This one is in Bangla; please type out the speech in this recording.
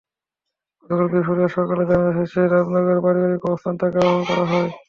গতকাল বৃহস্পতিবার সকালে জানাজা শেষে রাজনগরের পারিবারিক কবরস্থানে তাঁকে দাফন করা হয়।